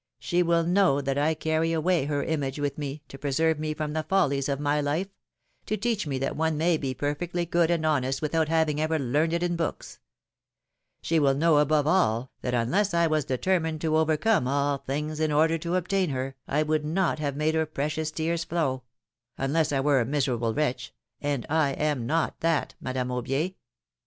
She will know that I carry away her image with 192 PHILOMi:NE's MARRIAGES. me, to preserve me from the follies of my life; to teach me that one may be perfectly good and honest without having ever learned it in books. She will know, above all, that unless I was determined to overcome all things in order to obtain her, I would not have made her precious tears flow — unless I were a miserable wretch, and I am not that, Madame Aubier